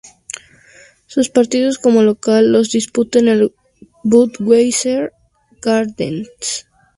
Sus partidos como local los disputa en el Budweiser Gardens.